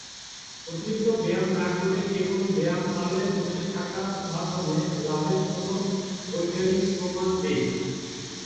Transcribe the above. অতিরিক্ত ব্যায়াম না করে কেবল ব্যায়াম আলে বসে থাকার মাধ্যমে লাভের কোনও বৈজ্ঞানিক প্রমাণ নেই।